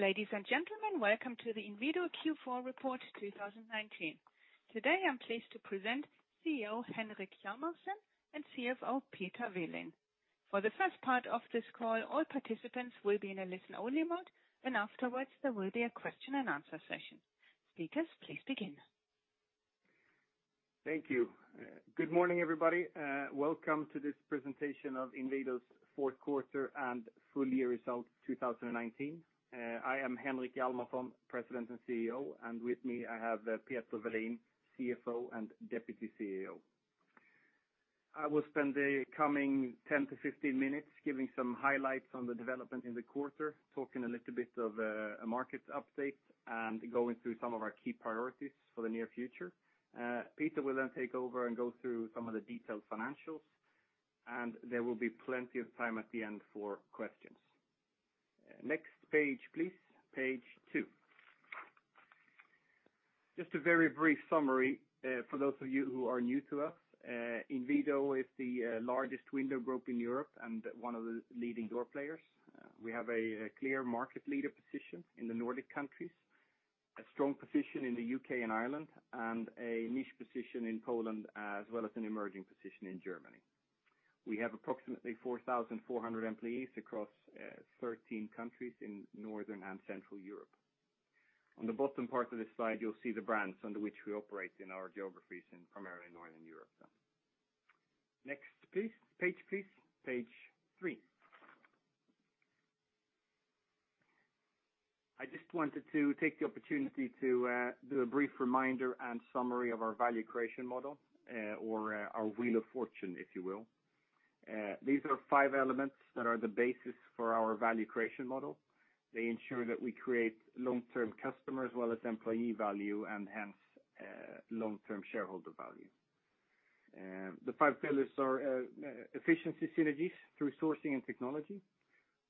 Ladies and gentlemen, welcome to the Inwido Q4 report 2019. Today, I'm pleased to present CEO Henrik Hjalmarsson and CFO Peter Welin. For the first part of this call, all participants will be in a listen-only mode. Afterwards, there will be a question and answer session. Speakers, please begin. Thank you. Good morning, everybody. Welcome to this presentation of Inwido's fourth quarter and full year results 2019. I am Henrik Hjalmarsson, President and CEO, and with me I have Peter Welin, CFO and Deputy CEO. I will spend the coming 10-15 minutes giving some highlights on the development in the quarter, talking a little bit of a market update and going through some of our key priorities for the near future. Peter will take over and go through some of the detailed financials. There will be plenty of time at the end for questions. Next page, please. Page two. Just a very brief summary for those of you who are new to us. Inwido is the largest window group in Europe and one of the leading door players. We have a clear market leader position in the Nordic countries, a strong position in the U.K. and Ireland, and a niche position in Poland, as well as an emerging position in Germany. We have approximately 4,400 employees across 13 countries in Northern and Central Europe. On the bottom part of this slide, you'll see the brands under which we operate in our geographies in primarily Northern Europe. Next page, please. Page three. I just wanted to take the opportunity to do a brief reminder and summary of our value creation model, or our wheel of fortune, if you will. These are five elements that are the basis for our value creation model. They ensure that we create long-term customer as well as employee value, and hence long-term shareholder value. The five pillars are efficiency synergies through sourcing and technology.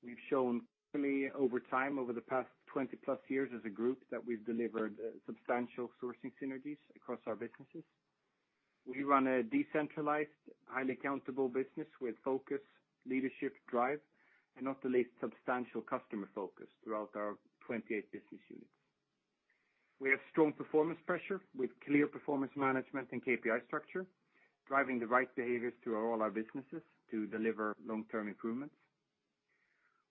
We've shown clearly over time, over the past 20 plus years as a group, that we've delivered substantial sourcing synergies across our businesses. We run a decentralized, highly accountable business with focus, leadership, drive, and not the least substantial customer focus throughout our 28 business units. We have strong performance pressure with clear performance management and KPI structure, driving the right behaviors through all our businesses to deliver long-term improvements.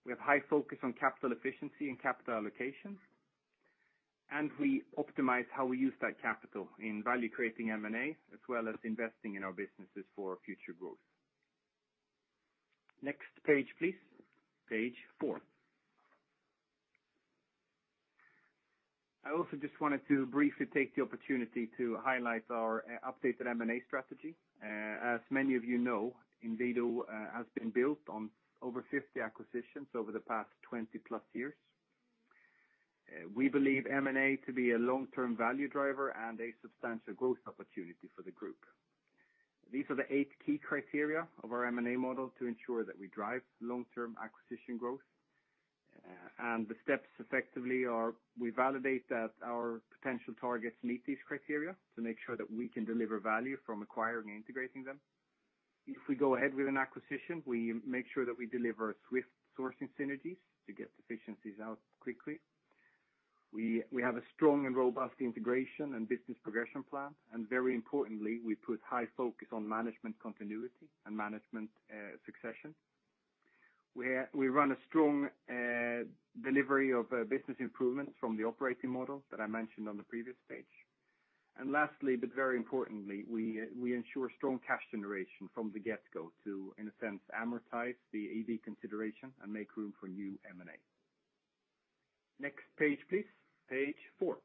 We have high focus on capital efficiency and capital allocation, and we optimize how we use that capital in value creating M&A, as well as investing in our businesses for future growth. Next page, please. Page four. I also just wanted to briefly take the opportunity to highlight our updated M&A strategy. As many of you know, Inwido has been built on over 50 acquisitions over the past +20 years. We believe M&A to be a long-term value driver and a substantial growth opportunity for the group. These are the eight key criteria of our M&A model to ensure that we drive long-term acquisition growth. The steps effectively are we validate that our potential targets meet these criteria to make sure that we can deliver value from acquiring and integrating them. If we go ahead with an acquisition, we make sure that we deliver swift sourcing synergies to get efficiencies out quickly. We have a strong and robust integration and business progression plan, and very importantly, we put high focus on management continuity and management succession, where we run a strong delivery of business improvements from the operating model that I mentioned on the previous page. Lastly, but very importantly, we ensure strong cash generation from the get go to, in a sense, amortize the EV consideration and make room for new M&A. Next page, please. Page four.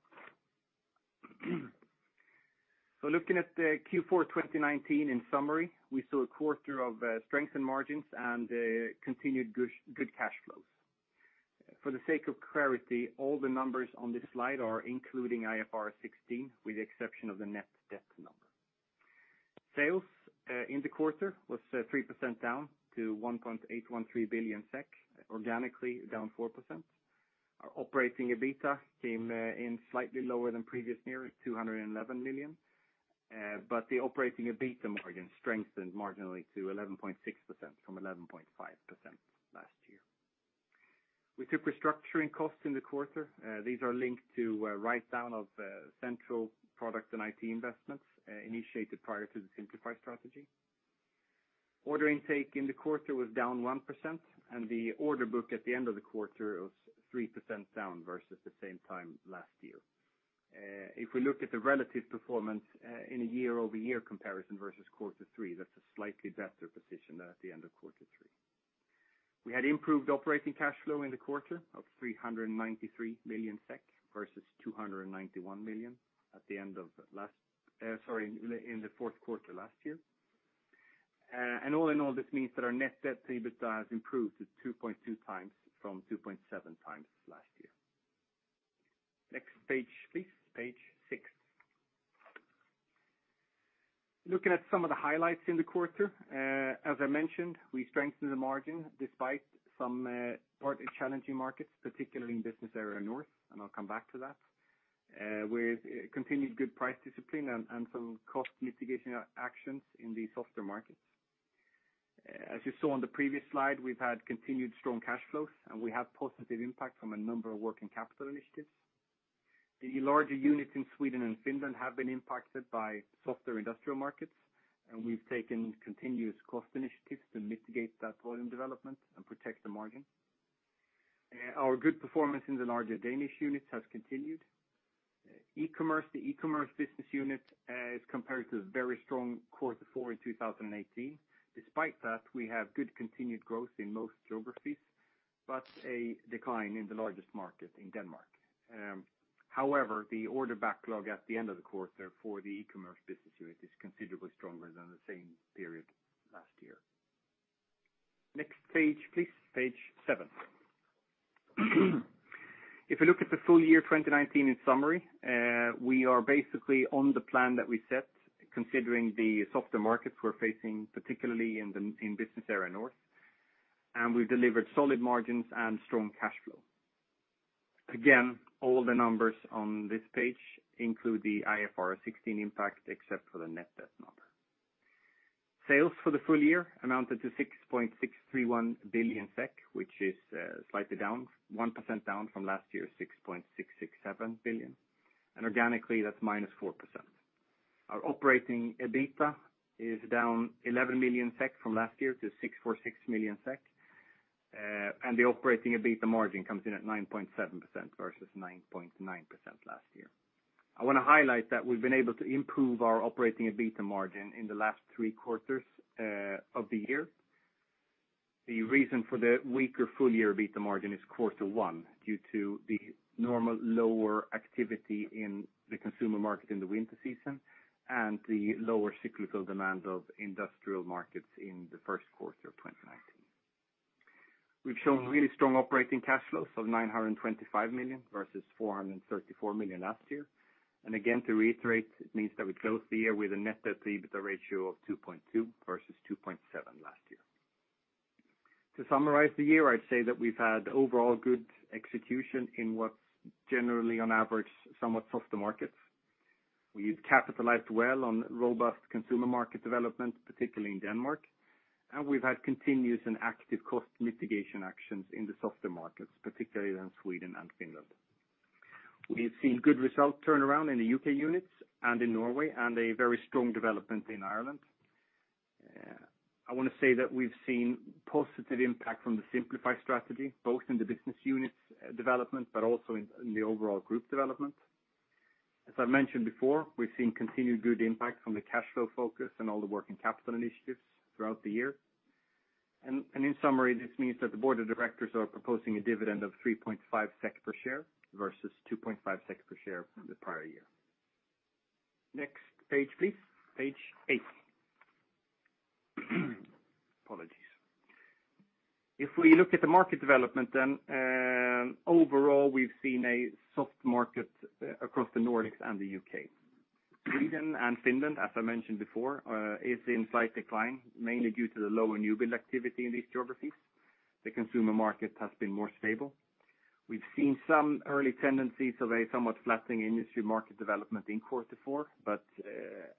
Looking at the Q4 2019 in summary, we saw a quarter of strength in margins and continued good cash flows. For the sake of clarity, all the numbers on this slide are including IFRS 16, with the exception of the net debt number. Sales in the quarter was 3% down to 1.813 billion SEK, organically down 4%. Our Operating EBITDA came in slightly lower than previous years, 211 million. The Operating EBITDA margin strengthened marginally to 11.6% from 11.5% last year. We took restructuring costs in the quarter. These are linked to a write-down of central product and IT investments initiated prior to the Simplify strategy. Order intake in the quarter was down 1%, and the order book at the end of the quarter was 3% down versus the same time last year. If we look at the relative performance in a year-over-year comparison versus quarter three, that's a slightly better position at the end of quarter three. We had improved operating cash flow in the quarter of 393 million SEK versus 291 million in the fourth quarter last year. All in all, this means that our Net Debt to EBITDA has improved to 2.2x from 2.7x last year. Next page, please. Page six. Looking at some of the highlights in the quarter. As I mentioned, we strengthened the margin despite some partly challenging markets, particularly in Business Area North, and I'll come back to that. With continued good price discipline and some cost mitigation actions in the softer markets. As you saw on the previous slide, we've had continued strong cash flows, and we have positive impact from a number of working capital initiatives. The larger units in Sweden and Finland have been impacted by softer industrial markets, and we've taken continuous cost initiatives to mitigate that volume development and protect the margin. Our good performance in the larger Danish units has continued. The e-commerce business unit is compared to the very strong quarter four in 2018. Despite that, we have good continued growth in most geographies, but a decline in the largest market in Denmark. However, the order backlog at the end of the quarter for the e-commerce business unit is considerably stronger than the same period last year. Next page, please. Page seven. If we look at the full year 2019 in summary, we are basically on the plan that we set, considering the softer markets we're facing particularly in Business Area North, and we've delivered solid margins and strong cash flow. Again, all the numbers on this page include the IFRS 16 impact, except for the net debt number. Sales for the full year amounted to 6.631 billion SEK, which is slightly down, 1% down from last year's 6.667 billion. Organically, that's minus 4%. Our operating EBITDA is down 11 million SEK from last year to 646 million SEK. The operating EBITDA margin comes in at 9.7% versus 9.9% last year. I want to highlight that we've been able to improve our operating EBITDA margin in the last three quarters of the year. The reason for the weaker full-year EBITDA margin is quarter one, due to the normal lower activity in the consumer market in the winter season and the lower cyclical demand of industrial markets in the first quarter of 2019. We've shown really strong operating cash flows of 925 million versus 434 million last year. Again, to reiterate, it means that we closed the year with a Net Debt to EBITDA ratio of 2.2 versus 2.7 last year. To summarize the year, I'd say that we've had overall good execution in what's generally, on average, somewhat softer markets. We've capitalized well on robust consumer market development, particularly in Denmark, and we've had continuous and active cost mitigation actions in the softer markets, particularly in Sweden and Finland. We've seen good result turnaround in the U.K. units and in Norway, and a very strong development in Ireland. I want to say that we've seen positive impact from the Simplify strategy, both in the business units development, also in the overall group development. As I've mentioned before, we've seen continued good impact from the cash flow focus and all the working capital initiatives throughout the year. In summary, this means that the board of directors are proposing a dividend of 3.5 SEK per share versus 2.5 SEK per share from the prior year. Next page, please. Page eight. Apologies. If we look at the market development overall, we've seen a soft market across the Nordics and the U.K. Sweden and Finland, as I mentioned before, is in slight decline, mainly due to the lower new build activity in these geographies. The consumer market has been more stable. We've seen some early tendencies of a somewhat flattening industry market development in quarter four.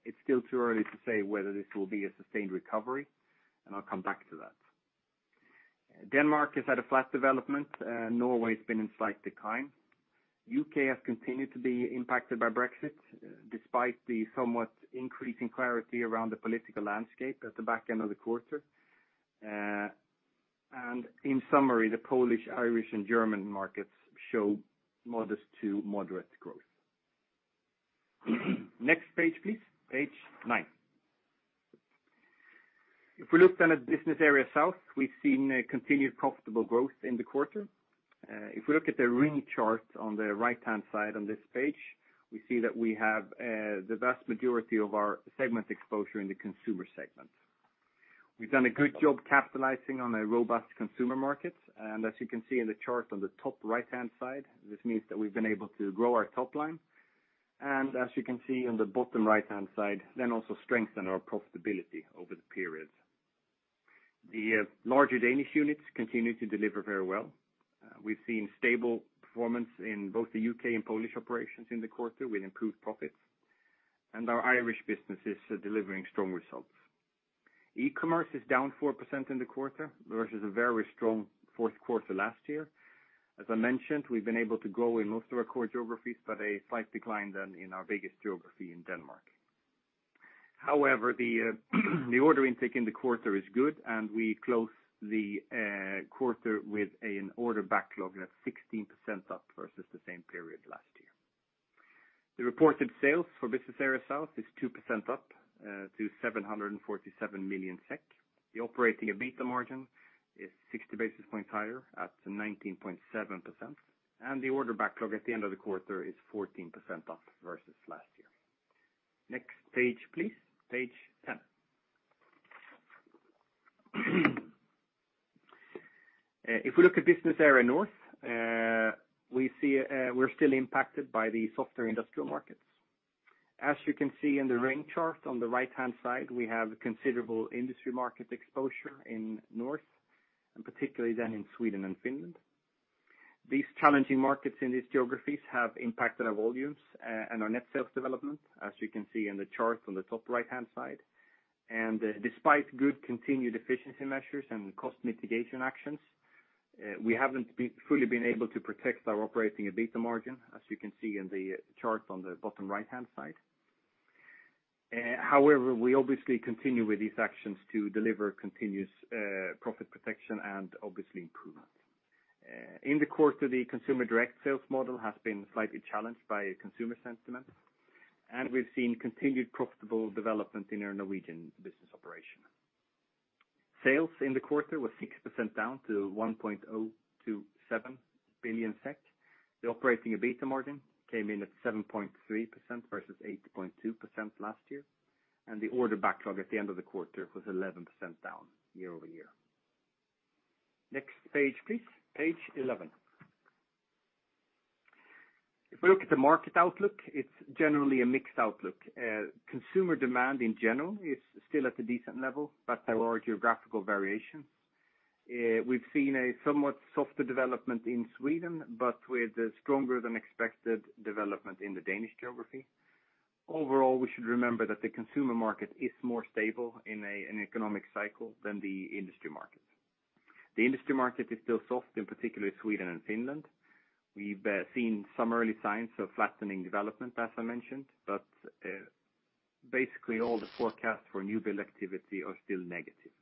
It's still too early to say whether this will be a sustained recovery, I'll come back to that. Denmark has had a flat development. Norway's been in slight decline. U.K. has continued to be impacted by Brexit, despite the somewhat increasing clarity around the political landscape at the back end of the quarter. In summary, the Polish, Irish, and German markets show modest to moderate growth. Next page, please. Page nine. If we look then at Business Area South, we've seen a continued profitable growth in the quarter. If we look at the ring chart on the right-hand side on this page, we see that we have the vast majority of our segment exposure in the consumer segment. We've done a good job capitalizing on a robust consumer market. As you can see in the chart on the top right-hand side, this means that we've been able to grow our top line. As you can see on the bottom right-hand side, also strengthen our profitability over the period. The larger Danish units continue to deliver very well. We've seen stable performance in both the U.K. and Polish operations in the quarter with improved profits. Our Irish business is delivering strong results. E-commerce is down 4% in the quarter versus a very strong fourth quarter last year. As I mentioned, we've been able to grow in most of our core geographies, but a slight decline then in our biggest geography in Denmark. However, the order intake in the quarter is good and we close the quarter with an order backlog that's 16% up versus the same period last year. The reported sales for Business Area South is 2% up to 747 million SEK. The operating EBITDA margin is 60 basis points higher at 19.7%. The order backlog at the end of the quarter is 14% up versus last year. Next page, please. Page 10. If we look at Business Area North, we're still impacted by the softer industrial markets. As you can see in the ring chart on the right-hand side, we have considerable industry market exposure in North, and particularly then in Sweden and Finland. These challenging markets in these geographies have impacted our volumes and our net sales development, as you can see in the chart on the top right-hand side. Despite good continued efficiency measures and cost mitigation actions, we haven't fully been able to protect our operating EBITDA margin, as you can see in the chart on the bottom right-hand side. However, we obviously continue with these actions to deliver continuous profit protection and obviously improvement. In the quarter, the consumer direct sales model has been slightly challenged by consumer sentiment, and we've seen continued profitable development in our Norwegian business operation. Sales in the quarter were 6% down to 1.027 billion SEK. The Operating EBITDA margin came in at 7.3% versus 8.2% last year, and the order backlog at the end of the quarter was 11% down year-over-year. Next page, please. Page 11. If we look at the market outlook, it's generally a mixed outlook. Consumer demand in general is still at a decent level, but there are geographical variations. We've seen a somewhat softer development in Sweden, but with a stronger than expected development in the Danish geography. Overall, we should remember that the consumer market is more stable in an economic cycle than the industry market. The industry market is still soft, in particular Sweden and Finland. We've seen some early signs of flattening development, as I mentioned, but basically all the forecasts for new build activity are still negative.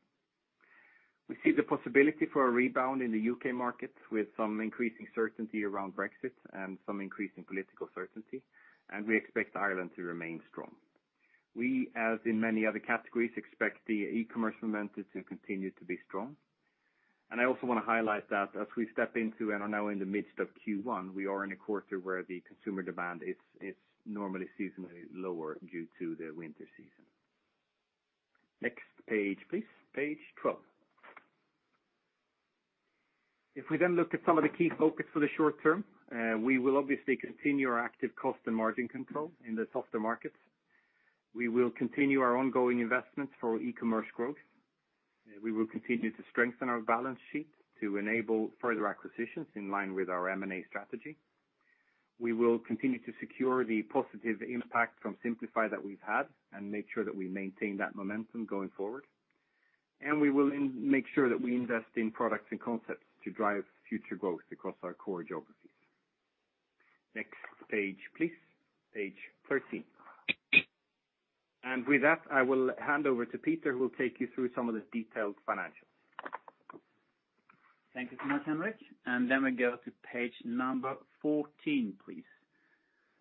We see the possibility for a rebound in the U.K. market with some increasing certainty around Brexit and some increasing political certainty, and we expect Ireland to remain strong. We, as in many other categories, expect the e-commerce momentum to continue to be strong. I also want to highlight that as we step into and are now in the midst of Q1, we are in a quarter where the consumer demand is normally seasonally lower due to the winter season. Next page, please. Page 12. If we look at some of the key focus for the short term, we will obviously continue our active cost and margin control in the softer markets. We will continue our ongoing investment for e-commerce growth. We will continue to strengthen our balance sheet to enable further acquisitions in line with our M&A strategy. We will continue to secure the positive impact from Simplify that we've had and make sure that we maintain that momentum going forward. We will make sure that we invest in products and concepts to drive future growth across our core geographies. Next page, please. Page 13. With that, I will hand over to Peter, who will take you through some of the detailed financials. Thank you so much, Henrik. Then we go to page number 14, please.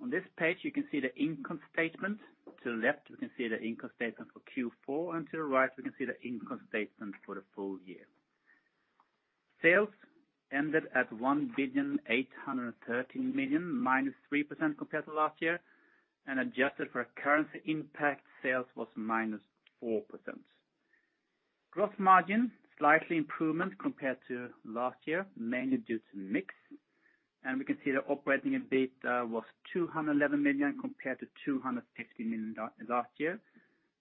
On this page, you can see the income statement. To the left, we can see the income statement for Q4, and to the right, we can see the income statement for the full year. Sales ended at 1.813 billion, -3% compared to last year, and adjusted for a currency impact, sales was -4%. Gross margin, slight improvement compared to last year, mainly due to mix. We can see the operating EBITDA was 211 million compared to 260 million last year,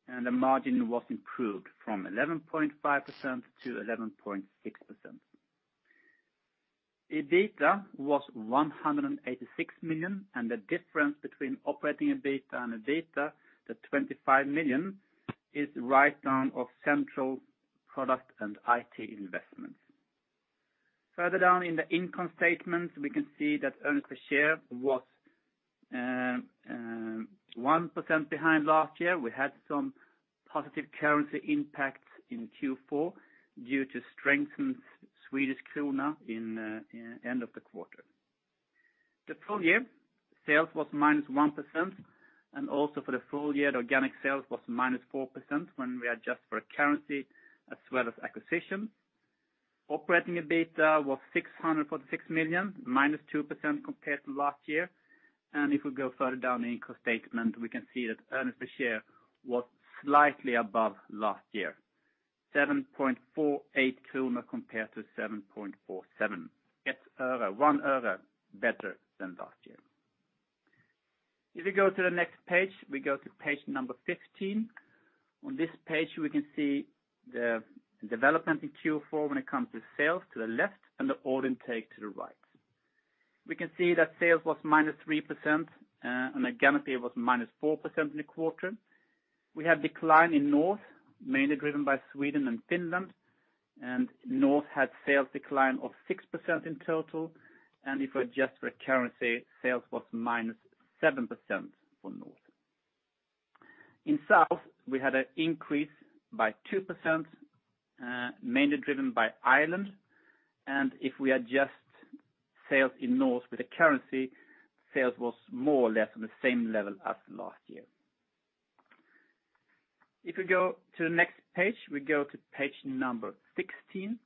and the margin was improved from 11.5% to 11.6%. EBITDA was 186 million, the difference between operating EBITDA and EBITDA, the 25 million, is write-down of central product and IT investments. Further down in the income statement, we can see that earnings per share was 1% behind last year. We had some positive currency impacts in Q4 due to strengthened Swedish krona in end of the quarter. Also for the full year, the organic sales was minus 4% when we adjust for currency as well as acquisition. Operating EBITDA was 646 million, minus 2% compared to last year. If we go further down the income statement, we can see that earnings per share was slightly above last year, 7.48 kronor compared to 7.47. It's öre, SEK 0.01 better than last year. If we go to the next page, we go to page number 15. On this page, we can see the development in Q4 when it comes to sales to the left and the order intake to the right. We can see that sales was minus 3% again, it was minus 4% in the quarter. We had decline in North, mainly driven by Sweden and Finland. North had sales decline of 6% in total. If we adjust for currency, sales was minus 7% for North. In South, we had an increase by 2%, mainly driven by Ireland. If we adjust sales in North with the currency, sales was more or less on the same level as last year. If we go to the next page, we go to page number 16.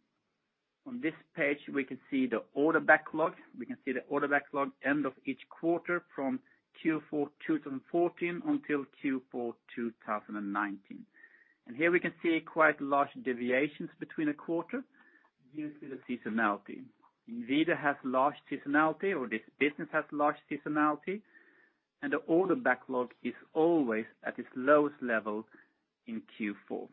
On this page, we can see the order backlog. We can see the order backlog end of each quarter from Q4 2014 until Q4 2019. Here we can see quite large deviations between a quarter due to the seasonality. Inwido has large seasonality or this business has large seasonality, and the order backlog is always at its lowest level in Q4.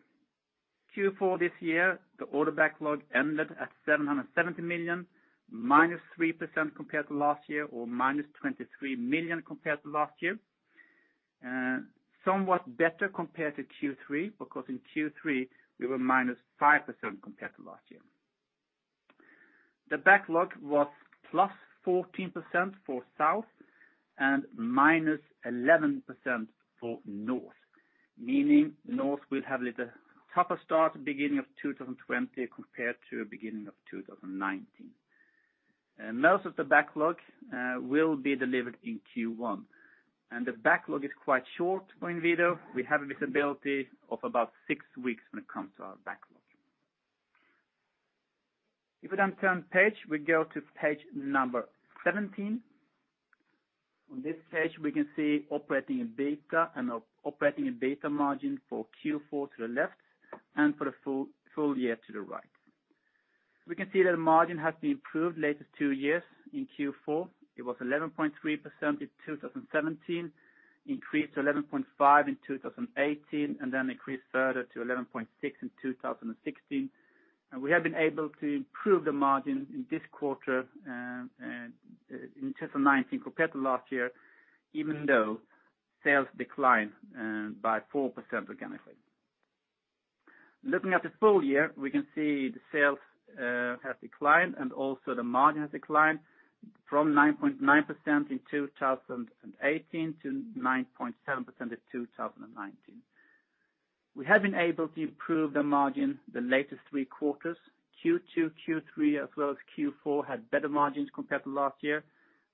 Q4 this year, the order backlog ended at 770 million, -3% compared to last year or -23 million compared to last year. Somewhat better compared to Q3, because in Q3 we were -5% compared to last year. The backlog was +14% for South and -11% for North, meaning North will have a little tougher start at beginning of 2020 compared to beginning of 2019. Most of the backlog will be delivered in Q1. The backlog is quite short for Inwido. We have a visibility of about six weeks when it comes to our backlog. If we then turn page, we go to page number 17. On this page, we can see Operating EBITDA and Operating EBITDA margin for Q4 to the left and for the full year to the right. We can see that the margin has been improved latest two years. In Q4, it was 11.3% in 2017, increased to 11.5% in 2018, then increased further to 11.6% in 2019. We have been able to improve the margin in this quarter, in 2019 compared to last year, even though sales declined by 4% organically. Looking at the full year, we can see the sales have declined and also the margin has declined from 9.9% in 2018 to 9.7% in 2019. We have been able to improve the margin the latest three quarters. Q2, Q3, as well as Q4 had better margins compared to last year.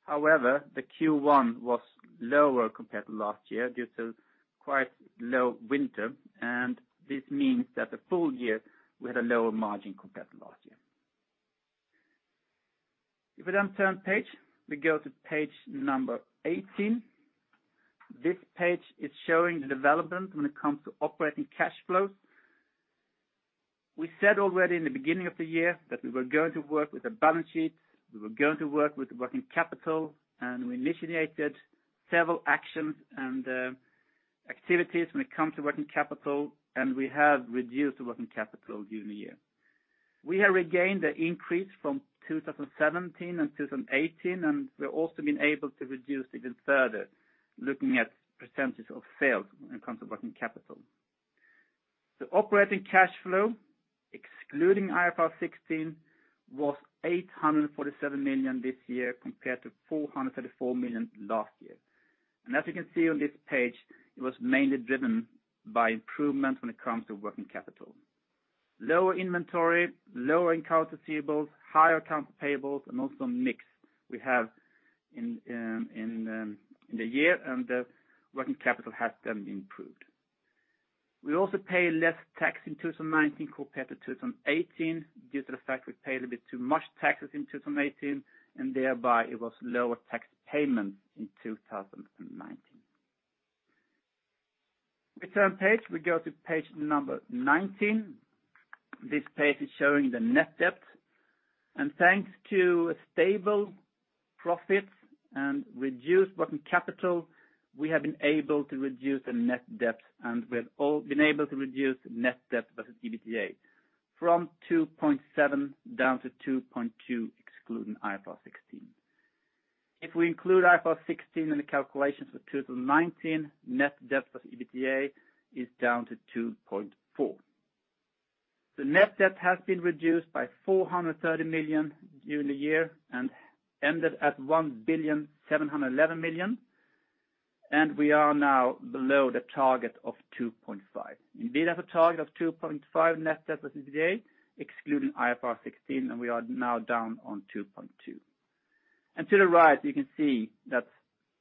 However, the Q1 was lower compared to last year due to quite low winter, and this means that the full year, we had a lower margin compared to last year. If we then turn page, we go to page number 18. This page is showing the development when it comes to operating cash flows. We said already in the beginning of the year that we were going to work with the balance sheet, we were going to work with working capital, and we initiated several actions and activities when it comes to working capital, and we have reduced the working capital during the year. We have regained the increase from 2017 and 2018, and we're also been able to reduce even further looking at percentages of sales when it comes to working capital. The operating cash flow, excluding IFRS 16, was 847 million this year compared to 434 million last year. As you can see on this page, it was mainly driven by improvement when it comes to working capital. Lower inventory, lower accounts receivables, higher accounts payables, and also mix we have in the year, and the working capital has then improved. We also pay less tax in 2019 compared to 2018 due to the fact we paid a bit too much taxes in 2018, and thereby it was lower tax payment in 2019. We turn page, we go to page 19. This page is showing the net debt. Thanks to stable profits and reduced working capital, we have been able to reduce the net debt, and we've been able to reduce net debt versus EBITDA from 2.7 down to 2.2, excluding IFRS 16. If we include IFRS 16 in the calculations for 2019, net debt plus EBITDA is down to 2.4. The net debt has been reduced by 430 million during the year and ended at 1,711 million. We are now below the target of 2.5. Inwido have a target of 2.5 Net Debt to EBITDA excluding IFRS 16. We are now down on 2.2. To the right, you can see that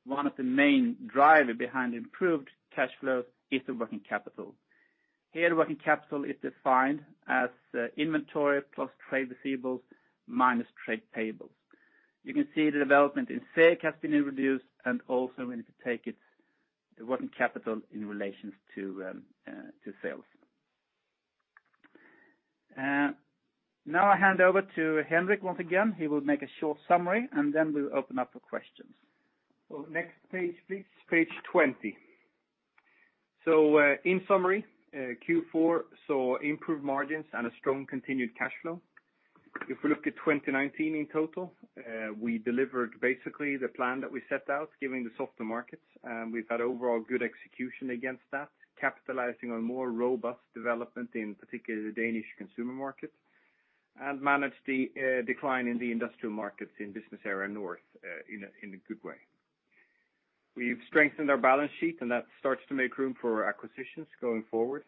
one of the main driver behind improved cash flows is the working capital. Here, working capital is defined as inventory plus trade receivables minus trade payables. You can see the development in sales has been reduced and also when you take it, the working capital in relations to sales. Now I hand over to Henrik once again. He will make a short summary. Then we'll open up for questions. Next page, please. Page 20. In summary, Q4 saw improved margins and a strong continued cash flow. If we look at 2019 in total, we delivered basically the plan that we set out, given the softer markets. We've had overall good execution against that, capitalizing on more robust development in particularly the Danish consumer market and managed the decline in the industrial markets in Business Area North in a good way. We've strengthened our balance sheet, and that starts to make room for acquisitions going forward.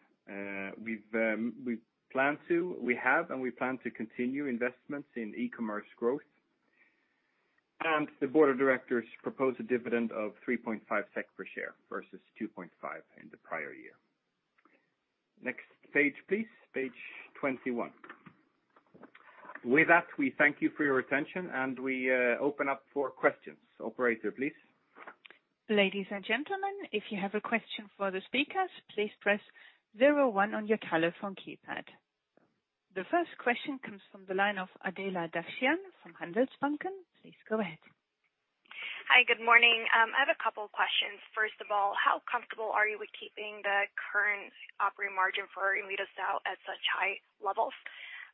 We have and we plan to continue investments in e-commerce growth. The board of directors propose a dividend of 3.5 SEK per share versus 2.5 in the prior year. Next page, please. Page 21. With that, we thank you for your attention, and we open up for questions. Operator, please. Ladies and gentlemen, if you have a question for the speakers, please press 01 on your telephone keypad. The first question comes from the line of Adela Dashian from Handelsbanken. Please go ahead. Hi, good morning. I have a couple questions. First of all, how comfortable are you with keeping the current operating margin for Inwido South at such high levels?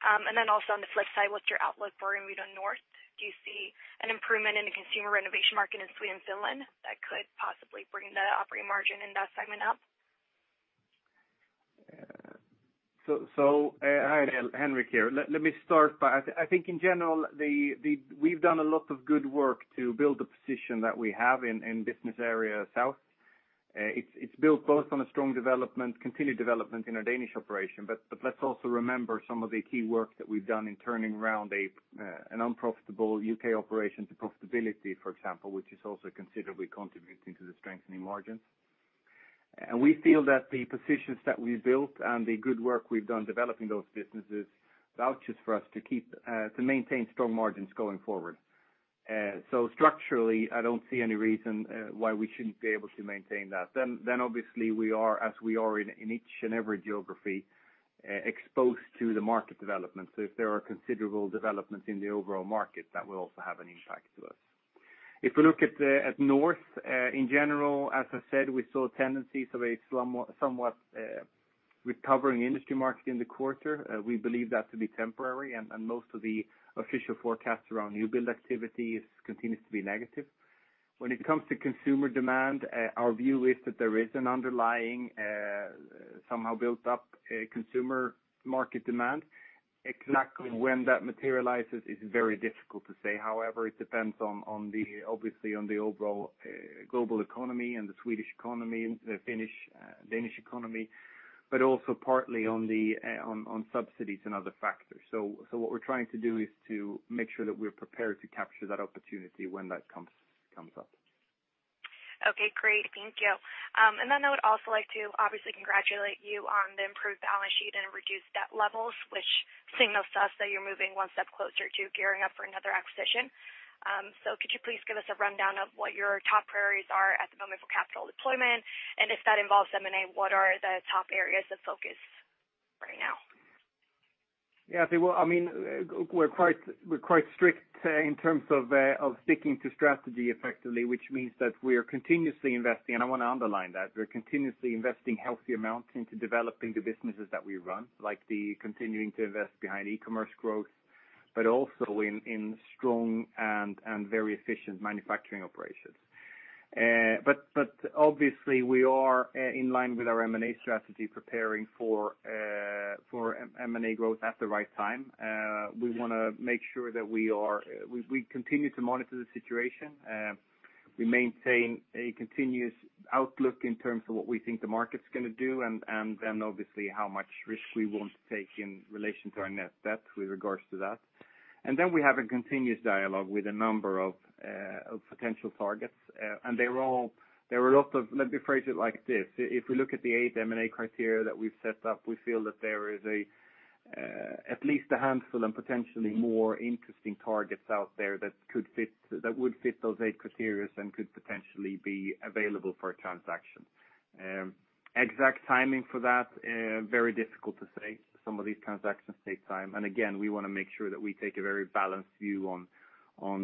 Also on the flip side, what's your outlook for Inwido North? Do you see an improvement in the consumer renovation market in Sweden and Finland that could possibly bring the operating margin in that segment up? Hi, Henrik here. Let me start by, I think in general, we've done a lot of good work to build the position that we have in Business Area South. It's built both on a strong development, continued development in our Danish operation. Let's also remember some of the key work that we've done in turning around an unprofitable U.K. operation to profitability, for example, which is also considerably contributing to the strengthening margins. We feel that the positions that we've built and the good work we've done developing those businesses vouches for us to maintain strong margins going forward. Structurally, I don't see any reason why we shouldn't be able to maintain that. Obviously, we are, as we are in each and every geography, exposed to the market development. If there are considerable developments in the overall market, that will also have an impact to us. If we look at North, in general, as I said, we saw tendencies of a somewhat recovering industry market in the quarter. We believe that to be temporary, and most of the official forecasts around new build activity continues to be negative. When it comes to consumer demand, our view is that there is an underlying, somehow built-up consumer market demand. Exactly when that materializes is very difficult to say. It depends, obviously on the overall global economy and the Swedish economy and the Finnish, Danish economy, but also partly on subsidies and other factors. What we're trying to do is to make sure that we're prepared to capture that opportunity when that comes up. Okay, great. Thank you. I would also like to obviously congratulate you on the improved balance sheet and reduced debt levels, which signals to us that you're moving one step closer to gearing up for another acquisition. Could you please give us a rundown of what your top priorities are at the moment for capital deployment? If that involves M&A, what are the top areas of focus right now? Yeah. I think we're quite strict in terms of sticking to strategy effectively, which means that we are continuously investing, and I want to underline that, we're continuously investing healthy amounts into developing the businesses that we run, like the continuing to invest behind e-commerce growth, but also in strong and very efficient manufacturing operations. Obviously, we are in line with our M&A strategy, preparing for M&A growth at the right time. We continue to monitor the situation. We maintain a continuous outlook in terms of what we think the market's going to do, and then obviously how much risk we want to take in relation to our net debt with regards to that. Then we have a continuous dialogue with a number of potential targets. Let me phrase it like this. If we look at the eight M&A criteria that we've set up, we feel that there is at least a handful and potentially more interesting targets out there that would fit those eight criteria and could potentially be available for a transaction. Exact timing for that, very difficult to say. Some of these transactions take time, and again, we want to make sure that we take a very balanced view on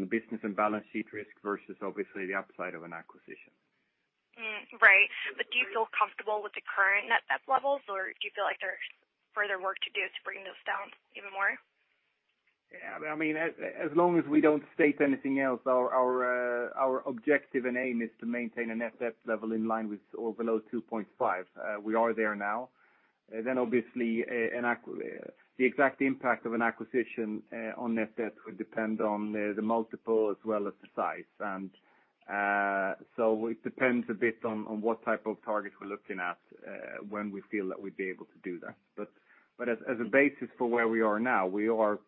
the business and balance sheet risk versus obviously the upside of an acquisition. Right. Do you feel comfortable with the current net debt levels, or do you feel like there's further work to do to bring those down even more? Yeah. As long as we don't state anything else, our objective and aim is to maintain a net debt level in line with or below 2.5. We are there now. Obviously, the exact impact of an acquisition on net debt would depend on the multiple as well as the size. So it depends a bit on what type of target we're looking at when we feel that we'd be able to do that. As a basis for where we are now, we are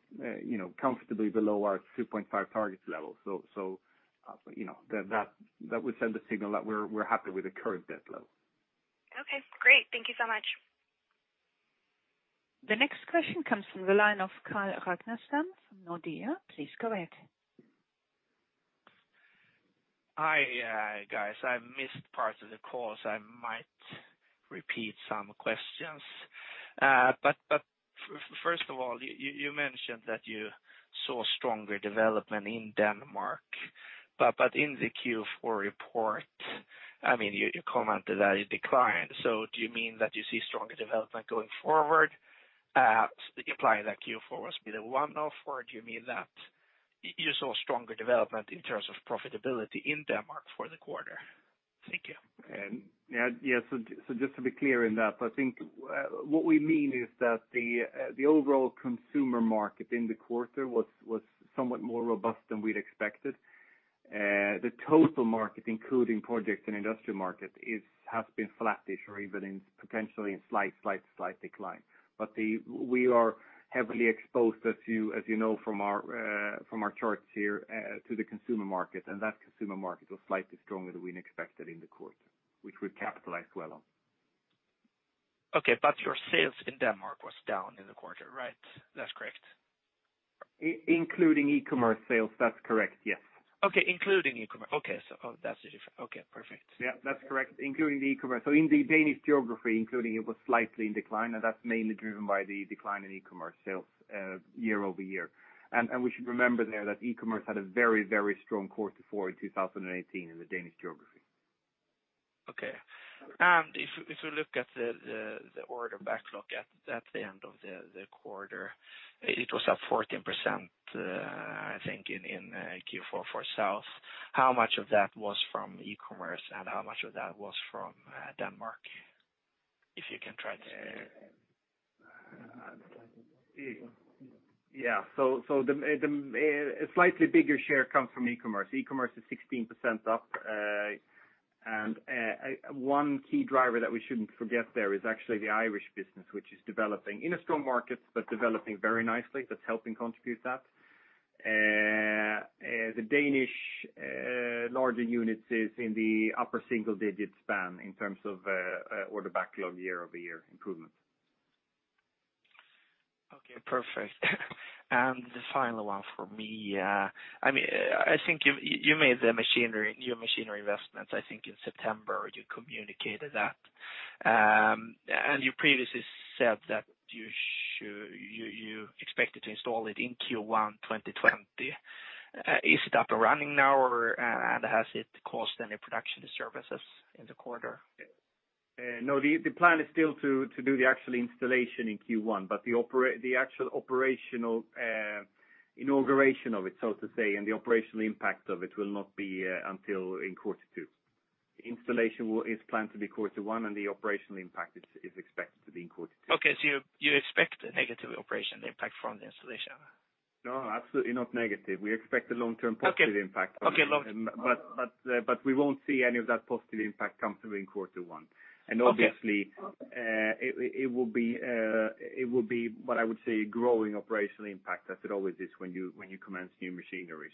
comfortably below our 2.5 target level. That would send a signal that we're happy with the current debt level. Okay, great. Thank you so much. The next question comes from the line of Carl Ragnerstam from Nordea. Please go ahead. Hi, guys. I missed parts of the call, so I might repeat some questions. First of all, you mentioned that you saw stronger development in Denmark. In the Q4 report, you commented that it declined. Do you mean that you see stronger development going forward, implying that Q4 must be the one-off, or do you mean that you saw stronger development in terms of profitability in Denmark for the quarter? Thank you. Yeah. Just to be clear in that, I think what we mean is that the overall consumer market in the quarter was somewhat more robust than we'd expected. The total market, including project and industrial market, has been flattish or even potentially in slight decline. We are heavily exposed, as you know from our charts here, to the consumer market, and that consumer market was slightly stronger than we'd expected in the quarter, which we capitalized well on. Okay, your sales in Denmark was down in the quarter, right? That's correct. Including e-commerce sales, that's correct, yes. Okay, including e-commerce. Okay. That's the difference. Okay, perfect. Yeah, that's correct. Including the e-commerce. In the Danish geography, including it was slightly in decline, and that's mainly driven by the decline in e-commerce sales year-over-year. We should remember there that e-commerce had a very strong quarter four in 2018 in the Danish geography. Okay. If we look at the order backlog at the end of the quarter, it was up 14%, I think, in Q4 for South. How much of that was from e-commerce, and how much of that was from Denmark? If you can try to say. Yeah. A slightly bigger share comes from e-commerce. E-commerce is 16% up. One key driver that we shouldn't forget there is actually the Irish business, which is developing in a strong market, but developing very nicely. That's helping contribute that. The Danish larger unit is in the upper single-digit span in terms of order backlog year-over-year improvement. Okay, perfect. The final one for me. You made your machinery investments, I think, in September, you communicated that. You previously said that you expected to install it in Q1 2020. Is it up and running now, and has it caused any production disturbances in the quarter? No, the plan is still to do the actual installation in Q1, but the actual operational inauguration of it, so to say, and the operational impact of it will not be until in quarter two. Installation is planned to be quarter one, and the operational impact is expected to be in quarter two. Okay. You expect a negative operational impact from the installation? No, absolutely not negative. We expect a long-term positive impact. Okay. Long-term. We won't see any of that positive impact coming through in quarter one. Okay. Obviously, it will be what I would say growing operational impact as it always is when you commence new machinery.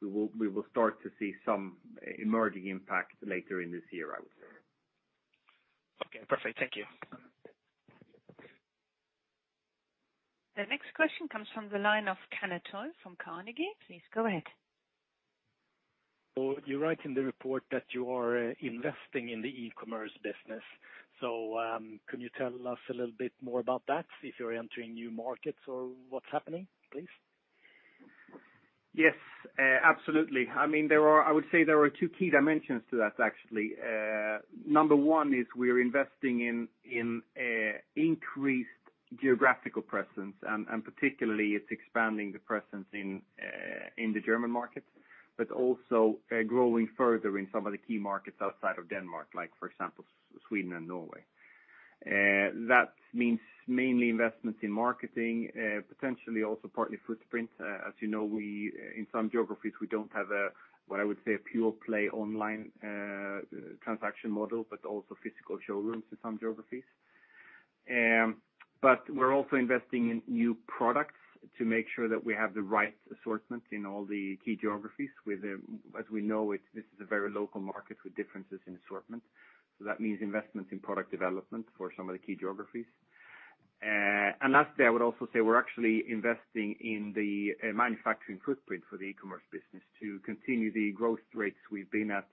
We will start to see some emerging impact later in this year, I would say. Okay, perfect. Thank you. The next question comes from the line of Kenneth Olsson from Carnegie. Please go ahead. You write in the report that you are investing in the e-commerce business. Can you tell us a little bit more about that? If you're entering new markets or what's happening, please? Yes, absolutely. I would say there are two key dimensions to that, actually. Number 1 is we are investing in increased geographical presence. Particularly it's expanding the presence in the German market, also growing further in some of the key markets outside of Denmark, like for example, Sweden and Norway. That means mainly investments in marketing, potentially also partly footprint. As you know, in some geographies, we don't have a what I would say a pure play online transaction model, also physical showrooms in some geographies. We're also investing in new products to make sure that we have the right assortment in all the key geographies. As we know, this is a very local market with differences in assortment. That means investments in product development for some of the key geographies. Lastly, I would also say we're actually investing in the manufacturing footprint for the e-commerce business to continue the growth rates we've been at,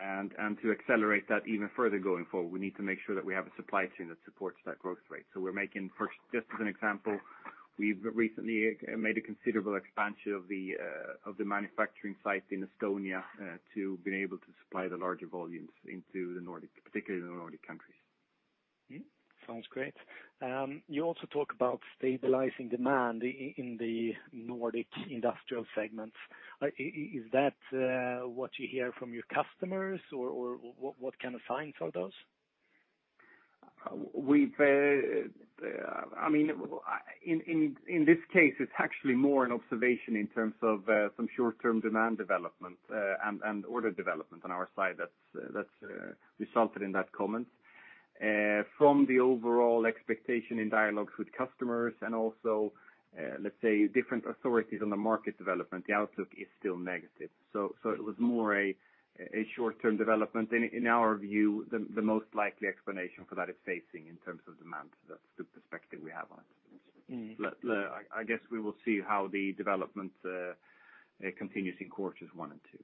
and to accelerate that even further going forward. We need to make sure that we have a supply chain that supports that growth rate. We're making first, just as an example, we've recently made a considerable expansion of the manufacturing site in Estonia, to be able to supply the larger volumes into the Nordic, particularly the Nordic countries. Sounds great. You also talk about stabilizing demand in the Nordic industrial segments. Is that what you hear from your customers, or what kind of signs are those? In this case, it's actually more an observation in terms of some short-term demand development, and order development on our side that's resulted in that comment. From the overall expectation in dialogues with customers and also, let's say, different authorities on the market development, the outlook is still negative. It was more a short-term development. In our view, the most likely explanation for that is facing in terms of demand. That's the perspective we have on it. I guess we will see how the development continues in quarters one and two.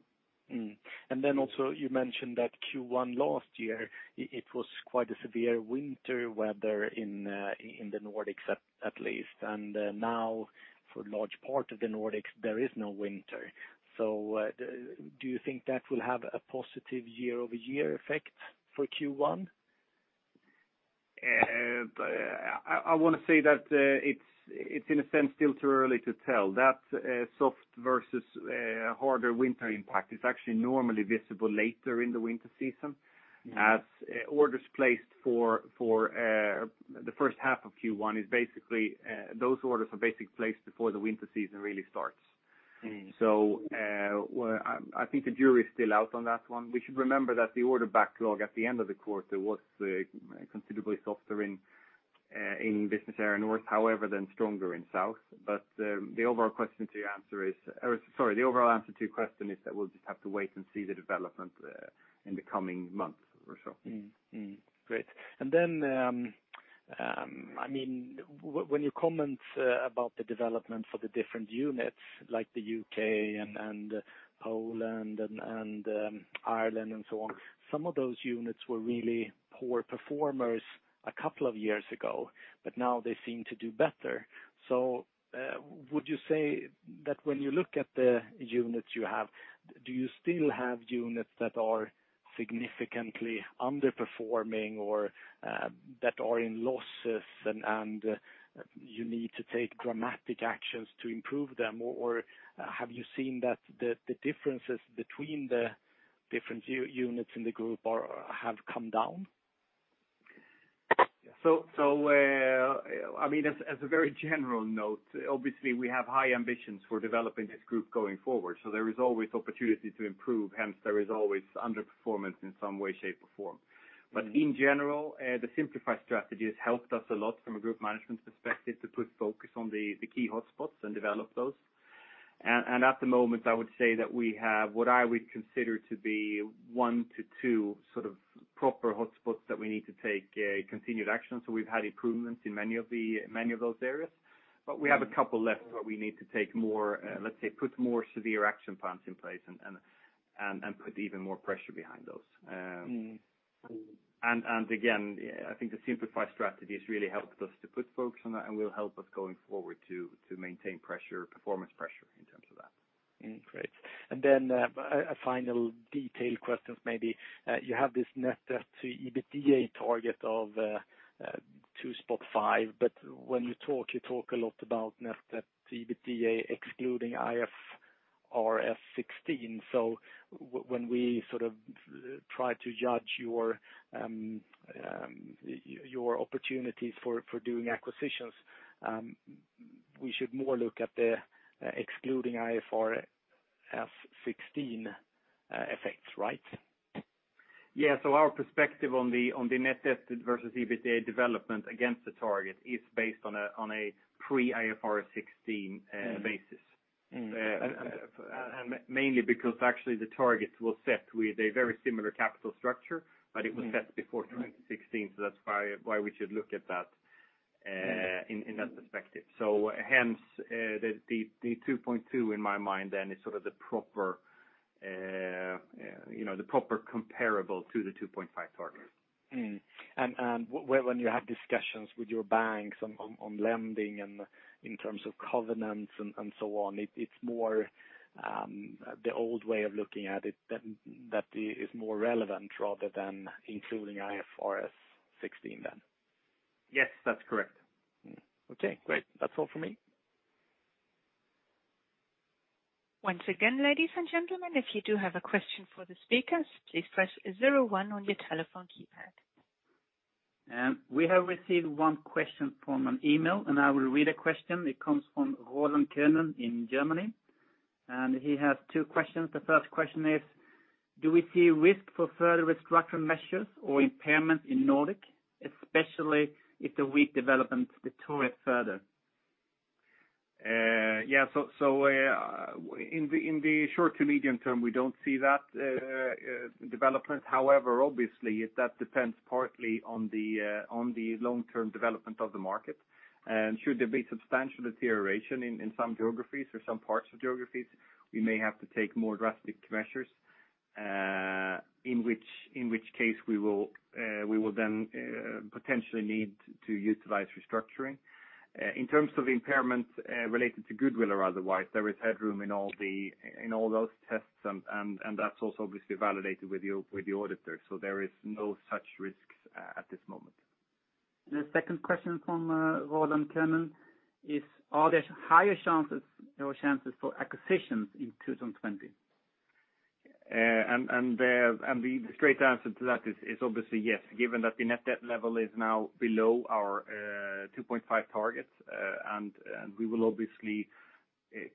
Also you mentioned that Q1 last year, it was quite a severe winter weather in the Nordics at least, and now for large part of the Nordics, there is no winter. Do you think that will have a positive year-over-year effect for Q1? I want to say that it's in a sense still too early to tell. That soft versus harder winter impact is actually normally visible later in the winter season as orders placed for the first half of Q1, those orders are basically placed before the winter season really starts. I think the jury is still out on that one. We should remember that the order backlog at the end of the quarter was considerably softer in Business Area North, however, then stronger in Business Area South. The overall answer to your question is that we'll just have to wait and see the development in the coming months or so. Mm-hmm. Great. When you comment about the development for the different units like the U.K. and Poland and Ireland and so on, some of those units were really poor performers a couple of years ago, but now they seem to do better. Would you say that when you look at the units, do you still have units that are significantly underperforming or that are in losses and you need to take dramatic actions to improve them? Or have you seen that the differences between the different units in the group have come down? As a very general note, obviously we have high ambitions for developing this group going forward. There is always opportunity to improve, hence there is always underperformance in some way, shape, or form. In general, the Simplify strategy has helped us a lot from a group management perspective to put focus on the key hotspots and develop those. At the moment, I would say that we have what I would consider to be one to two proper hotspots that we need to take continued action. We've had improvements in many of those areas, but we have a couple left where we need to, let's say, put more severe action plans in place and put even more pressure behind those. Again, I think the Simplify strategy has really helped us to put focus on that and will help us going forward to maintain performance pressure in terms of that. Great. A final detailed question maybe. You have this Net Debt to EBITDA target of 2.5. You talk a lot about Net Debt to EBITDA excluding IFRS 16. We try to judge your opportunities for doing acquisitions, we should more look at the excluding IFRS 16 effects, right? Yeah. Our perspective on the Net Debt versus EBITDA development against the target is based on a pre-IFRS 16 basis. Mainly because actually the target was set with a very similar capital structure. It was set before 2019. That's why we should look at that in that perspective. Hence, the 2.2 in my mind then is the proper comparable to the 2.5 target. Mm-hmm. When you have discussions with your banks on lending and in terms of covenants and so on, it's more the old way of looking at it that is more relevant rather than including IFRS 16 then? Yes, that's correct. Okay, great. That's all for me. Once again, ladies and gentlemen, if you do have a question for the speakers, please press 01 on your telephone keypad. We have received one question from an email, I will read a question. It comes from Roland Kernen in Germany, he has two questions. The first question is, do we see risk for further restructuring measures or impairment in Nordic, especially if the weak development deteriorates further? In the short to medium term, we don't see that development. Obviously that depends partly on the long-term development of the market. Should there be substantial deterioration in some geographies or some parts of geographies, we may have to take more drastic measures, in which case we will then potentially need to utilize restructuring. In terms of impairment related to goodwill or otherwise, there is headroom in all those tests, that's also obviously validated with the auditor. There is no such risks at this moment. The second question from Roland Kernen is, are there higher chances or chances for acquisitions in 2020? The straight answer to that is obviously yes, given that the net debt level is now below our 2.5 target. We will obviously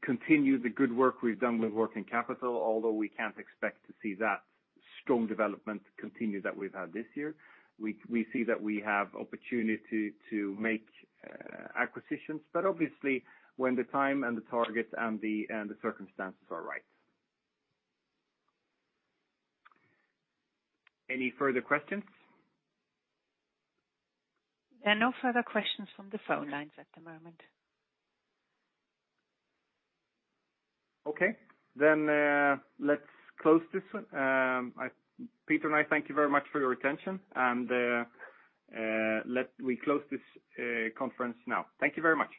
continue the good work we've done with working capital, although we can't expect to see that strong development continue that we've had this year. We see that we have opportunity to make acquisitions, obviously, when the time and the targets and the circumstances are right. Any further questions? There are no further questions from the phone lines at the moment. Okay. Let's close this one. Peter and I thank you very much for your attention, and we close this conference now. Thank you very much.